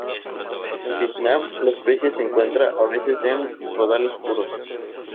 En Vietnam, la especie se encuentra a veces en rodales puros.